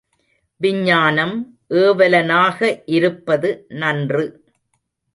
விஞ்ஞானம் ஏவலனாக இருப்பது நன்று.